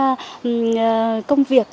những công việc